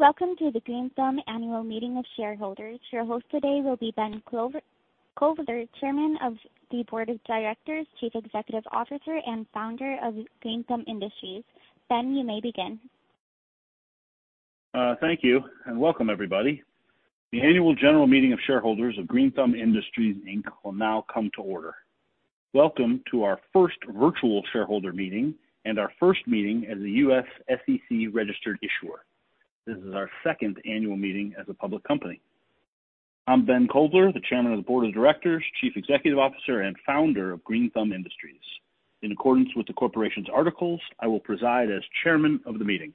Welcome to the Green Thumb annual meeting of shareholders. Your host today will be Ben Kovler, Chairman of the Board of Directors, Chief Executive Officer, and founder of Green Thumb Industries. Ben, you may begin. Thank you. Welcome everybody. The annual general meeting of shareholders of Green Thumb Industries Inc will now come to order. Welcome to our first virtual shareholder meeting and our first meeting as a US SEC-registered issuer. This is our second annual meeting as a public company. I'm Ben Kovler, the Chairman of the Board of Directors, Chief Executive Officer, and Founder of Green Thumb Industries. In accordance with the corporation's articles, I will preside as chairman of the meeting.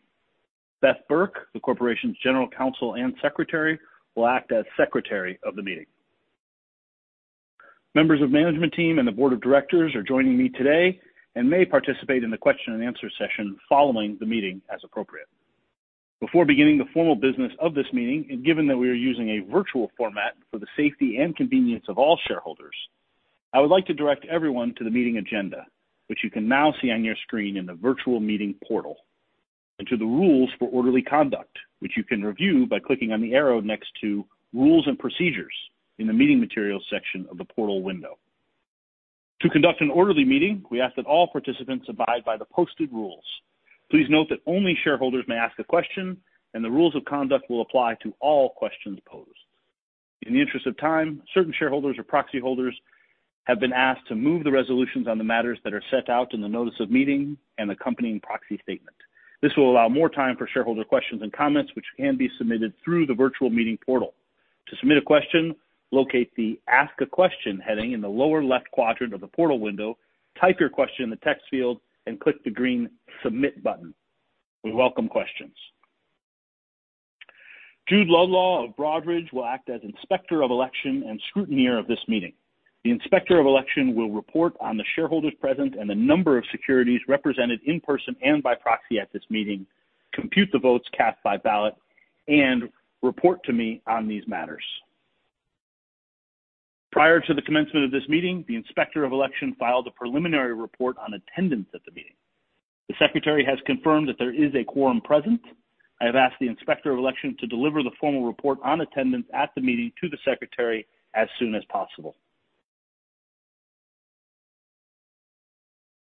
Beth Burk, the corporation's general counsel and secretary, will act as secretary of the meeting. Members of management team and the board of directors are joining me today and may participate in the question and answer session following the meeting as appropriate. Before beginning the formal business of this meeting, and given that we are using a virtual format for the safety and convenience of all shareholders, I would like to direct everyone to the meeting agenda, which you can now see on your screen in the virtual meeting portal, and to the rules for orderly conduct, which you can review by clicking on the arrow next to Rules and Procedures in the Meeting Materials section of the portal window. To conduct an orderly meeting, we ask that all participants abide by the posted rules. Please note that only shareholders may ask a question, and the rules of conduct will apply to all questions posed. In the interest of time, certain shareholders or proxy holders have been asked to move the resolutions on the matters that are set out in the notice of meeting and accompanying proxy statement. This will allow more time for shareholder questions and comments, which can be submitted through the virtual meeting portal. To submit a question, locate the Ask a Question heading in the lower left quadrant of the portal window, type your question in the text field, and click the green Submit button. We welcome questions. Jude Lodlaw of Broadridge will act as Inspector of Election and scrutineer of this meeting. The Inspector of Election will report on the shareholders present and the number of securities represented in person and by proxy at this meeting, compute the votes cast by ballot, and report to me on these matters. Prior to the commencement of this meeting, the Inspector of Election filed a preliminary report on attendance at the meeting. The Secretary has confirmed that there is a quorum present. I have asked the Inspector of Election to deliver the formal report on attendance at the meeting to the Secretary as soon as possible.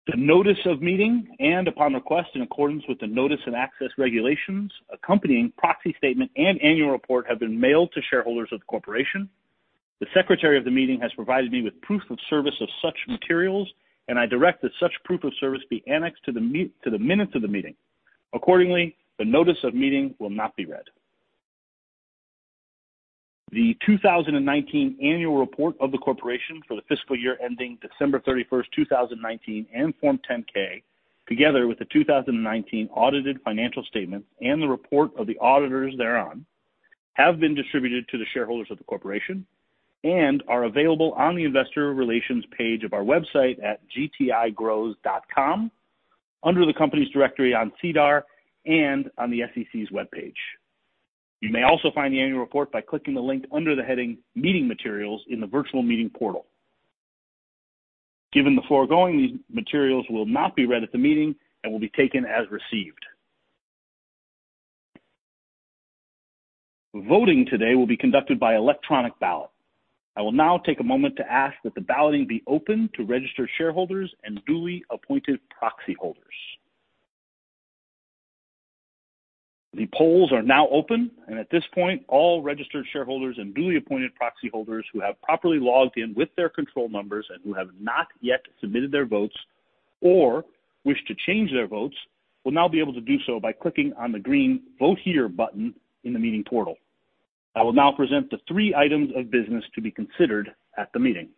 The notice of meeting and, upon request in accordance with the notice and access regulations, accompanying proxy statement and annual report have been mailed to shareholders of the corporation. The Secretary of the meeting has provided me with proof of service of such materials, and I direct that such proof of service be annexed to the minutes of the meeting. Accordingly, the notice of meeting will not be read. The 2019 annual report of the corporation for the fiscal year ending December 31, 2019, and Form 10-K, together with the 2019 audited financial statements and the report of the auditors thereon, have been distributed to the shareholders of the corporation and are available on the investor relations page of our website at gtigrows.com, under the company's directory on SEDAR, and on the SEC's webpage. You may also find the annual report by clicking the link under the heading Meeting Materials in the virtual meeting portal. Given the foregoing, these materials will not be read at the meeting and will be taken as received. Voting today will be conducted by electronic ballot. I will now take a moment to ask that the balloting be open to registered shareholders and duly appointed proxy holders. The polls are now open. At this point, all registered shareholders and duly appointed proxy holders who have properly logged in with their control numbers and who have not yet submitted their votes or wish to change their votes, will now be able to do so by clicking on the green Vote Here button in the meeting portal. I will now present the three items of business to be considered at the meeting.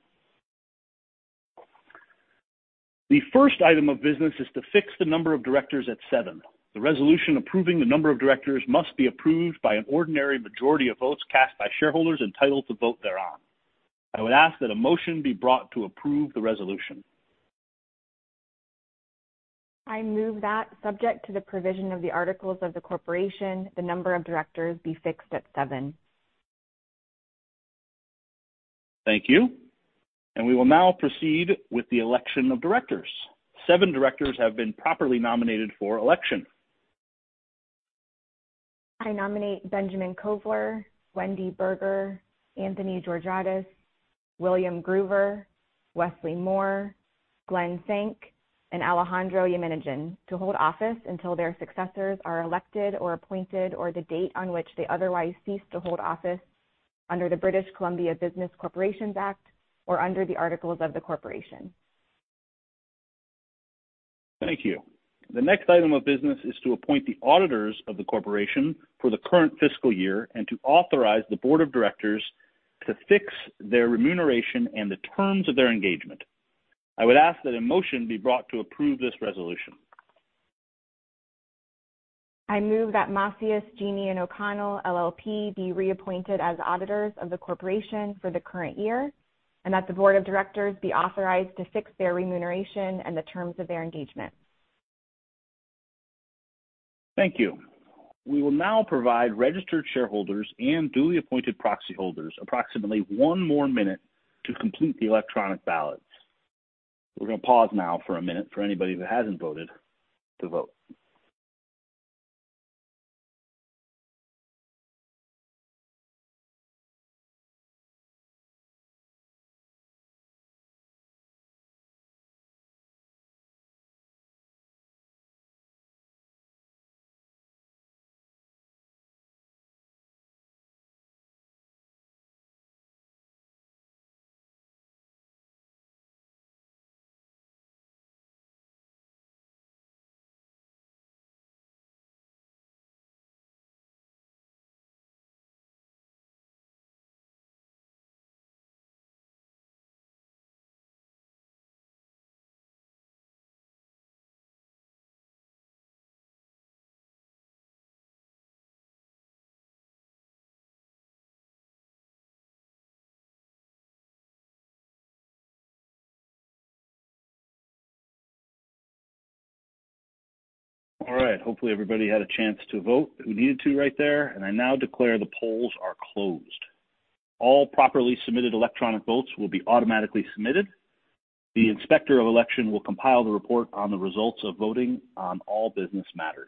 The first item of business is to fix the number of directors at seven. The resolution approving the number of directors must be approved by an ordinary majority of votes cast by shareholders entitled to vote thereon. I would ask that a motion be brought to approve the resolution. I move that subject to the provision of the articles of the corporation, the number of directors be fixed at seven. Thank you. We will now proceed with the election of directors. Seven directors have been properly nominated for election. I nominate Benjamin Kovler, Wendy Berger, Anthony Georgiadis, William Gruver, Westley Moore, Glen Senk, and Alejandro Yemenidjian to hold office until their successors are elected or appointed, or the date on which they otherwise cease to hold office under the British Columbia Business Corporations Act or under the articles of the corporation. Thank you. The next item of business is to appoint the auditors of the corporation for the current fiscal year and to authorize the board of directors to fix their remuneration and the terms of their engagement. I would ask that a motion be brought to approve this resolution. I move that Macias Gini & O'Connell LLP be reappointed as auditors of the corporation for the current year, and that the board of directors be authorized to fix their remuneration and the terms of their engagement. Thank you. We will now provide registered shareholders and duly appointed proxy holders approximately one more minute to complete the electronic ballots. We're going to pause now for a minute for anybody that hasn't voted to vote. All right. Hopefully everybody had a chance to vote who needed to right there. I now declare the polls are closed. All properly submitted electronic votes will be automatically submitted. The Inspector of Election will compile the report on the results of voting on all business matters.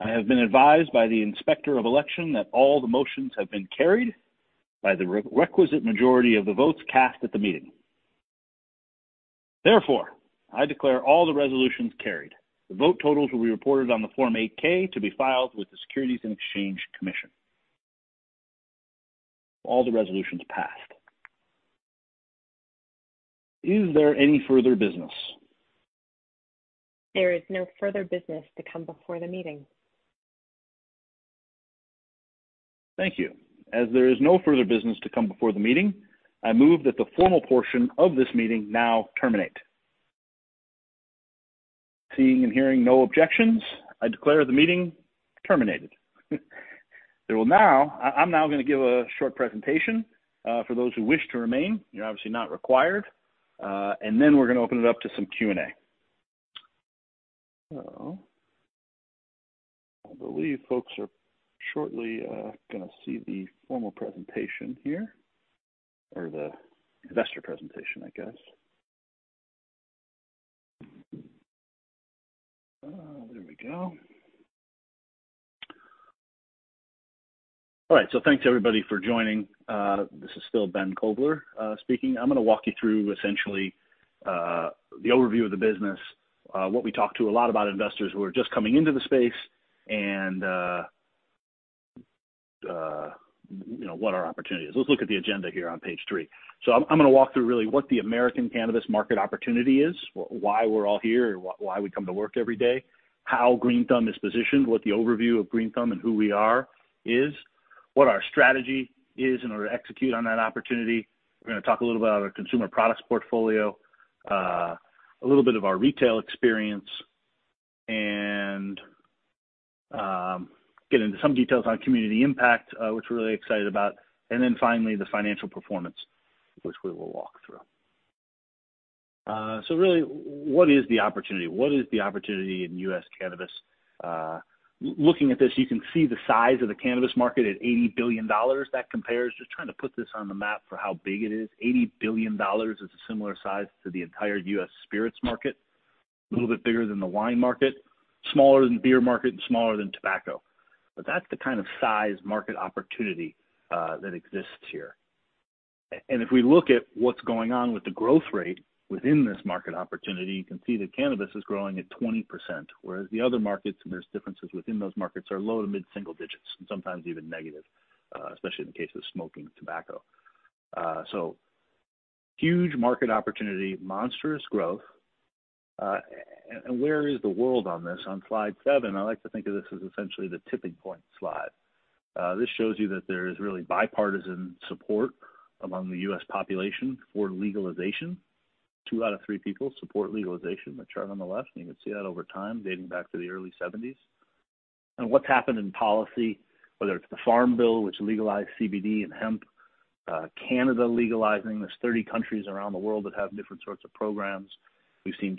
I have been advised by the Inspector of Election that all the motions have been carried by the requisite majority of the votes cast at the meeting. Therefore, I declare all the resolutions carried. The vote totals will be reported on the Form 8-K to be filed with the Securities and Exchange Commission. All the resolutions passed. Is there any further business? There is no further business to come before the meeting. Thank you. As there is no further business to come before the meeting, I move that the formal portion of this meeting now terminate. Seeing and hearing no objections, I declare the meeting terminated. I'm now going to give a short presentation, for those who wish to remain. You're obviously not required. We're going to open it up to some Q&A. I believe folks are shortly going to see the formal presentation here, or the investor presentation, I guess. There we go. All right. Thanks, everybody, for joining. This is still Ben Kovler speaking. I'm going to walk you through essentially, the overview of the business, what we talk to a lot about investors who are just coming into the space and what our opportunity is. Let's look at the agenda here on page three. I'm going to walk through really what the US cannabis market opportunity is, why we're all here, why we come to work every day, how Green Thumb is positioned, what the overview of Green Thumb and who we are is, what our strategy is in order to execute on that opportunity. We're going to talk a little bit about our consumer products portfolio, a little bit of our retail experience, and get into some details on community impact, which we're really excited about. Finally, the financial performance, which we will walk through. Really what is the opportunity? What is the opportunity in US cannabis? Looking at this, you can see the size of the cannabis market at $80 billion. That compares, just trying to put this on the map for how big it is. $80 billion is a similar size to the entire US spirits market, a little bit bigger than the wine market, smaller than beer market, and smaller than tobacco. That's the kind of size market opportunity that exists here. If we look at what's going on with the growth rate within this market opportunity, you can see that cannabis is growing at 20%, whereas the other markets, and there's differences within those markets, are low to mid-single digits and sometimes even negative, especially in the case of smoking tobacco. Huge market opportunity, monstrous growth. Where is the world on this? On slide seven, I like to think of this as essentially the tipping point slide. This shows you that there is really bipartisan support among the U.S. population for legalization. Two out of three people support legalization, the chart on the left, and you can see that over time, dating back to the early 1970s. What's happened in policy, whether it's the Farm Bill, which legalized CBD and hemp, Canada legalizing. There's 30 countries around the world that have different sorts of programs. We've seen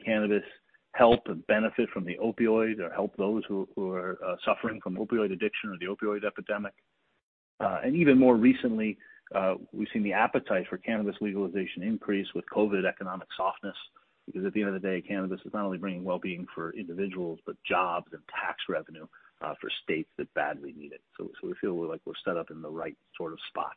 cannabis help and benefit from the opioid, or help those who are suffering from opioid addiction or the opioid epidemic. Even more recently, we've seen the appetite for cannabis legalization increase with COVID economic softness, because at the end of the day, cannabis is not only bringing wellbeing for individuals, but jobs and tax revenue for states that badly need it. We feel like we're set up in the right sort of spot.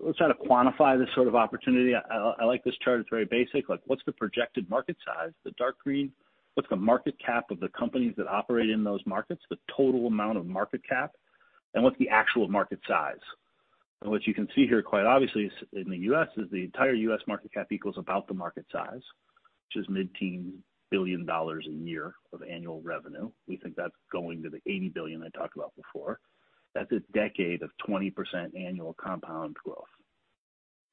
Let's try to quantify this sort of opportunity. I like this chart. It's very basic. What's the projected market size? The dark green. What's the market cap of the companies that operate in those markets, the total amount of market cap, and what's the actual market size? What you can see here, quite obviously in the U.S., is the entire US market cap equals about the market size, which is mid-teen billion dollars a year of annual revenue. We think that's going to the $80 billion I talked about before. That's a decade of 20% annual compound growth.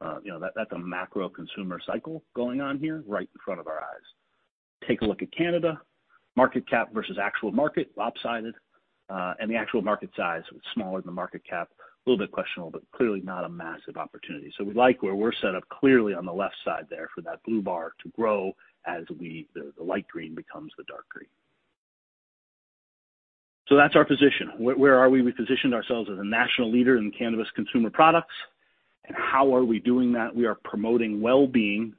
That's a macro consumer cycle going on here right in front of our eyes. Take a look at Canada. Market cap versus actual market, lopsided. The actual market size was smaller than market cap, a little bit questionable, but clearly not a massive opportunity. We like where we're set up clearly on the left side there for that blue bar to grow as the light green becomes the dark green. That's our position. Where are we? We positioned ourselves as a national leader in cannabis consumer products. How are we doing that? We are promoting well-being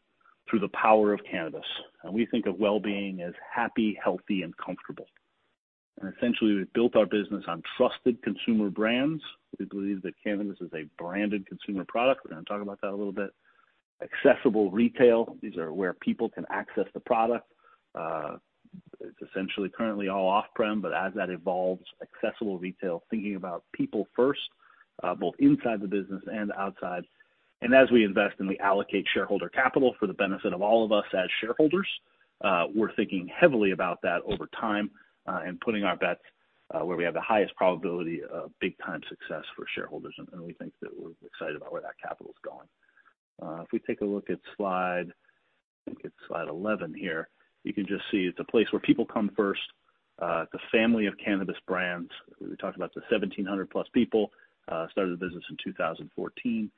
through the power of cannabis. We think of well-being as happy, healthy, and comfortable. Essentially, we've built our business on trusted consumer brands. We believe that cannabis is a branded consumer product. We're going to talk about that a little bit. Accessible retail, these are where people can access the product. It's essentially currently all off-prem, but as that evolves, accessible retail, thinking about people first, both inside the business and outside. As we invest and we allocate shareholder capital for the benefit of all of us as shareholders, we are thinking heavily about that over time, and putting our bets, where we have the highest probability of big-time success for shareholders. We think that we are excited about where that capital is going. If we take a look at slide, I think it is slide 11 here, you can just see it is a place where people come first. The family of cannabis brands. We talked about the 1,700+ people, started the business in 2014,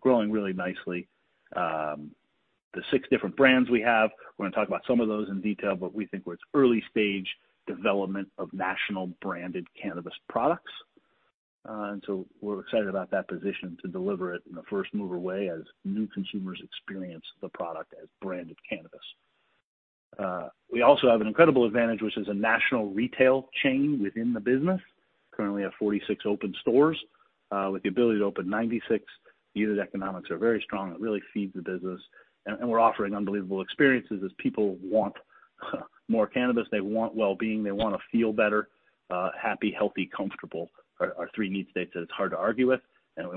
growing really nicely. The six different brands we have, we are going to talk about some of those in detail, but we think we are at early stage development of national branded cannabis products. We are excited about that position to deliver it in a first-mover way as new consumers experience the product as branded cannabis. We also have an incredible advantage, which is a national retail chain within the business. Currently have 46 open stores, with the ability to open 96. Unit economics are very strong. It really feeds the business. We're offering unbelievable experiences as people want more cannabis, they want well-being, they want to feel better, happy, healthy, comfortable, are three need states that it's hard to argue with.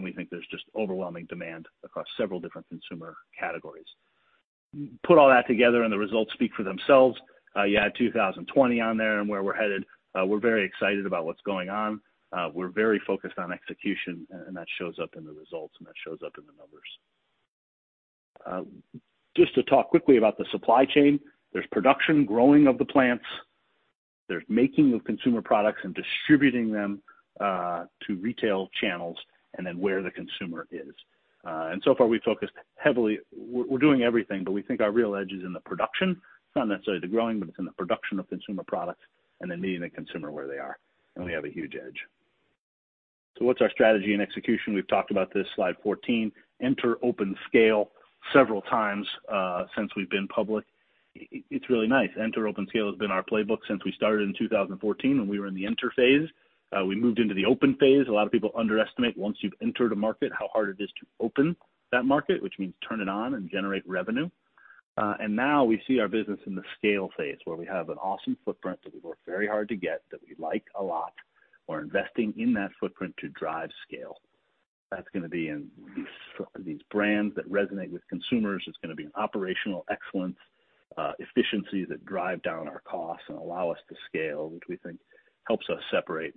We think there's just overwhelming demand across several different consumer categories. Put all that together and the results speak for themselves. You add 2020 on there and where we're headed, we're very excited about what's going on. We're very focused on execution, and that shows up in the results, and that shows up in the numbers. Just to talk quickly about the supply chain. There's production, growing of the plants. There's making of consumer products and distributing them to retail channels, and then where the consumer is. So far, we've focused heavily. We're doing everything, but we think our real edge is in the production. It's not necessarily the growing, but it's in the production of consumer products and then meeting the consumer where they are. We have a huge edge. What's our strategy and execution? We've talked about this, slide 14. Enter, open, scale. Several times since we've been public. It's really nice. Enter, open, scale has been our playbook since we started in 2014, when we were in the enter phase. We moved into the open phase. A lot of people underestimate once you've entered a market, how hard it is to open that market, which means turn it on and generate revenue. Now we see our business in the scale phase, where we have an awesome footprint that we've worked very hard to get, that we like a lot. We're investing in that footprint to drive scale. That's going to be in these brands that resonate with consumers. It's going to be in operational excellence, efficiencies that drive down our costs and allow us to scale, which we think helps us separate.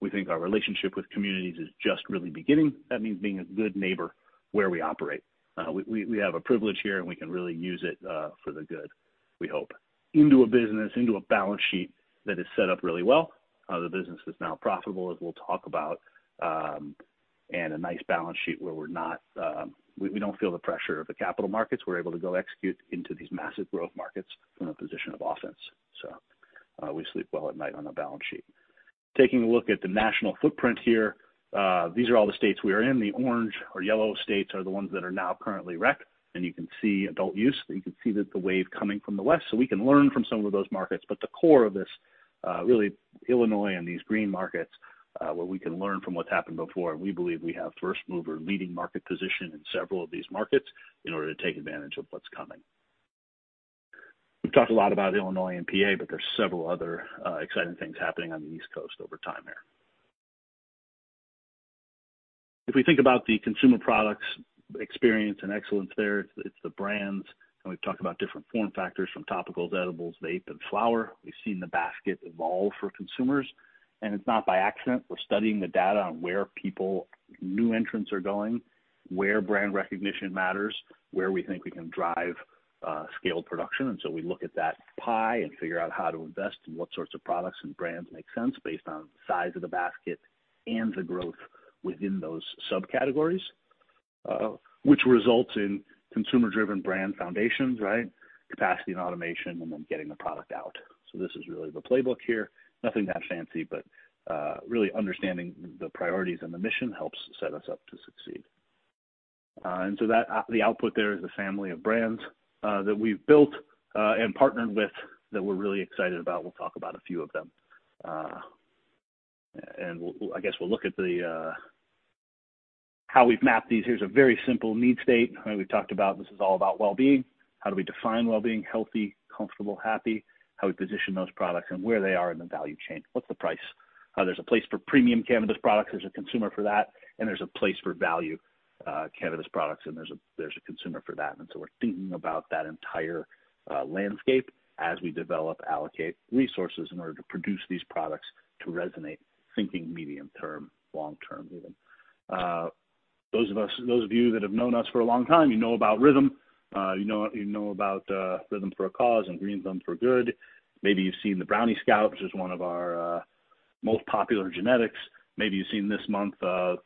We think our relationship with communities is just really beginning. That means being a good neighbor where we operate. We have a privilege here, and we can really use it, for the good, we hope. Into a business, into a balance sheet that is set up really well. The business is now profitable, as we'll talk about, and a nice balance sheet where we don't feel the pressure of the capital markets. We're able to go execute into these massive growth markets from a position of offense. We sleep well at night on a balance sheet. Taking a look at the national footprint here. These are all the states we are in. The orange or yellow states are the ones that are now currently rec. You can see adult use, you can see that the wave coming from the West, so we can learn from some of those markets. The core of this, really Illinois and these green markets, where we can learn from what's happened before, and we believe we have first-mover leading market position in several of these markets in order to take advantage of what's coming. We've talked a lot about Illinois and PA, but there's several other exciting things happening on the East Coast over time here. If we think about the consumer products experience and excellence there, it's the brands, and we've talked about different form factors from topicals, edibles, vape, and flower. We've seen the basket evolve for consumers, and it's not by accident. We're studying the data on where people, new entrants are going, where brand recognition matters, where we think we can drive scaled production. We look at that pie and figure out how to invest and what sorts of products and brands make sense based on the size of the basket and the growth within those subcategories, which results in consumer-driven brand foundations, right? Capacity and automation, and then getting the product out. This is really the playbook here. Nothing that fancy, but really understanding the priorities and the mission helps set us up to succeed. The output there is the family of brands that we've built and partnered with that we're really excited about. We'll talk about a few of them. I guess we'll look at how we've mapped these. Here's a very simple need state. We've talked about this is all about well-being. How do we define well-being? Healthy, comfortable, happy. How we position those products and where they are in the value chain. What's the price? There's a place for premium cannabis products. There's a consumer for that, and there's a place for value cannabis products, and there's a consumer for that. We're thinking about that entire landscape as we develop, allocate resources in order to produce these products to resonate, thinking medium term, long term even. Those of you that have known us for a long time, you know about RYTHM. You know about RYTHM for a Cause and Growing for Good. Maybe you've seen the Brownie Scout, which is one of our most popular genetics. Maybe you've seen this month,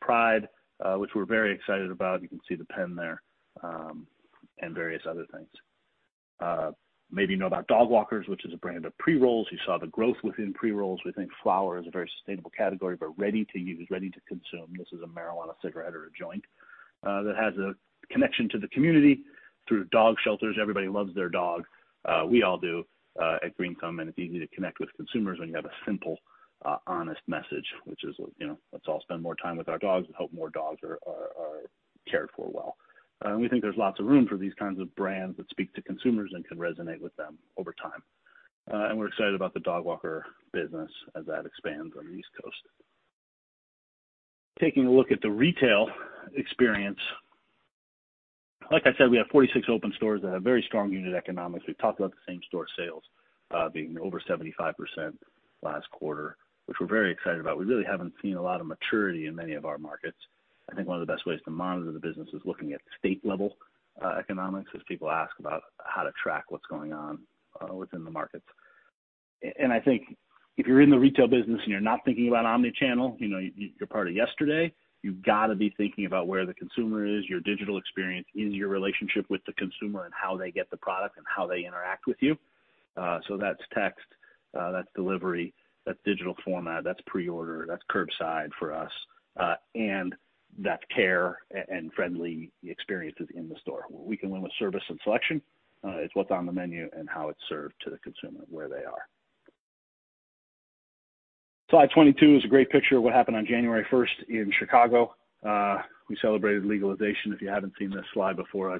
Pride, which we're very excited about. You can see the pen there, and various other things. Maybe you know about Dogwalkers, which is a brand of pre-rolls. You saw the growth within pre-rolls. We think flower is a very sustainable category, but ready-to-use, ready-to-consume. This is a marijuana cigarette or a joint that has a connection to the community through dog shelters. Everybody loves their dog. We all do at Green Thumb, and it's easy to connect with consumers when you have a simple, honest message, which is, let's all spend more time with our dogs and help more dogs are cared for well. We think there's lots of room for these kinds of brands that speak to consumers and can resonate with them over time. We're excited about the Dogwalkers business as that expands on the East Coast. Taking a look at the retail experience. Like I said, we have 46 open stores that have very strong unit economics. We've talked about the same-store sales being over 75% last quarter, which we're very excited about. We really haven't seen a lot of maturity in many of our markets. I think one of the best ways to monitor the business is looking at state-level economics, as people ask about how to track what's going on within the markets. I think if you're in the retail business and you're not thinking about omnichannel, you're part of yesterday. You've got to be thinking about where the consumer is, your digital experience in your relationship with the consumer, and how they get the product, and how they interact with you. That's text, that's delivery, that's digital format, that's pre-order, that's curbside for us, and that's care and friendly experiences in the store. Where we can win with service and selection, it's what's on the menu and how it's served to the consumer, where they are. Slide 22 is a great picture of what happened on January 1st in Chicago. We celebrated legalization. If you haven't seen this slide before,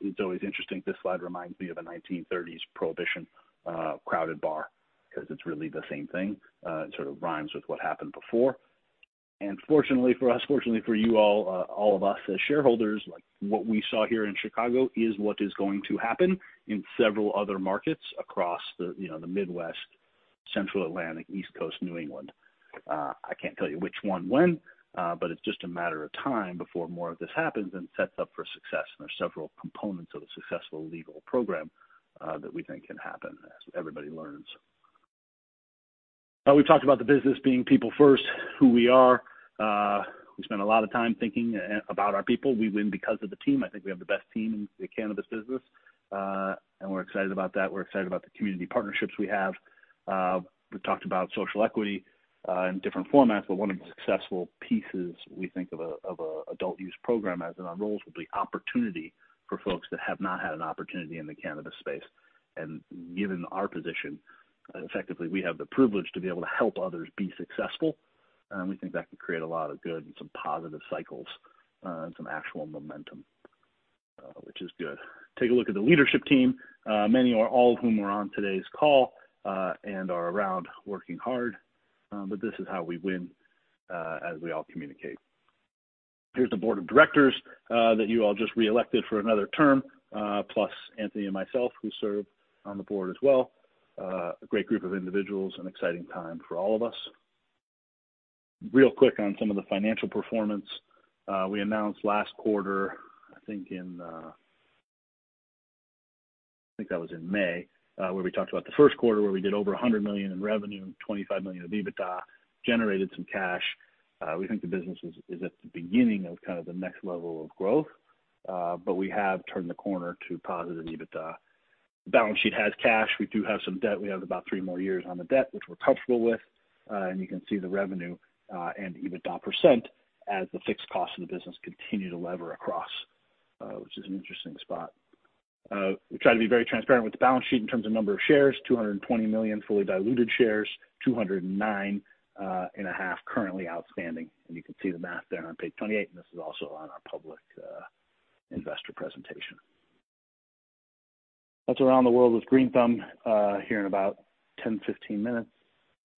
it's always interesting. This slide reminds me of a 1930s prohibition crowded bar because it's really the same thing. It sort of rhymes with what happened before. Fortunately for us, fortunately for you all of us as shareholders, what we saw here in Chicago is what is going to happen in several other markets across the Midwest, Central Atlantic, East Coast, New England. I can't tell you which one when. It's just a matter of time before more of this happens and sets up for success. There's several components of the successful legal program that we think can happen as everybody learns. We've talked about the business being people first, who we are. We spend a lot of time thinking about our people. We win because of the team. I think we have the best team in the cannabis business, and we're excited about that. We're excited about the community partnerships we have. We've talked about social equity in different formats, but one of the successful pieces we think of a adult use program as in our roles will be opportunity for folks that have not had an opportunity in the cannabis space. Given our position, effectively, we have the privilege to be able to help others be successful. We think that can create a lot of good and some positive cycles, and some actual momentum, which is good. Take a look at the leadership team. Many or all of whom are on today's call, and are around working hard. This is how we win, as we all communicate. Here's the board of directors that you all just reelected for another term, plus Anthony and myself, who serve on the board as well. A great group of individuals. An exciting time for all of us. Real quick on some of the financial performance. We announced last quarter, I think that was in May, where we talked about the first quarter where we did over $100 million in revenue and $25 million of EBITDA, generated some cash. We think the business is at the beginning of kind of the next level of growth, but we have turned the corner to positive EBITDA. The balance sheet has cash. We do have some debt. We have about three more years on the debt, which we're comfortable with. You can see the revenue and EBITDA percent as the fixed cost of the business continue to lever across, which is an interesting spot. We try to be very transparent with the balance sheet in terms of number of shares, $220 million fully diluted shares, 209.5 currently outstanding, and you can see the math there on page 28, and this is also on our public investor presentation. That's around the world with Green Thumb here in about 10, 15 minutes.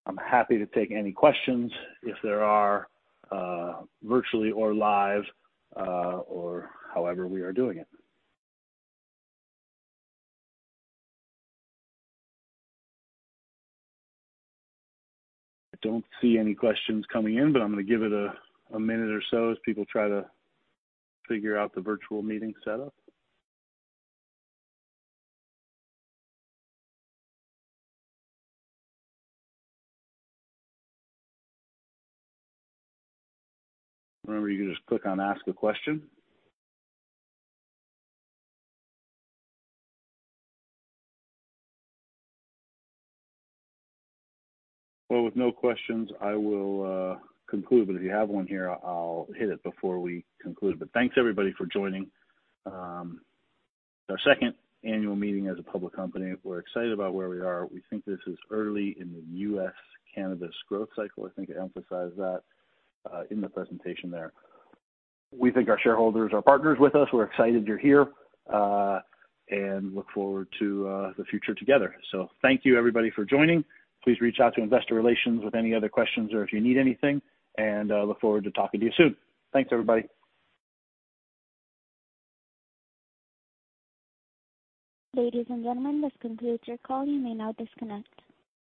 I'm happy to take any questions if there are, virtually or live, or however we are doing it. I don't see any questions coming in, but I'm going to give it a minute or so as people try to figure out the virtual meeting setup. Remember, you can just click on Ask a Question. Well, with no questions, I will conclude, but if you have one here, I'll hit it before we conclude. Thanks everybody for joining our second annual meeting as a public company. We're excited about where we are. We think this is early in the US cannabis growth cycle. I think I emphasized that in the presentation there. We think our shareholders are partners with us. We're excited you're here, and look forward to the future together. Thank you everybody for joining. Please reach out to investor relations with any other questions or if you need anything, and look forward to talking to you soon. Thanks everybody. Ladies and gentlemen, this concludes your call. You may now disconnect.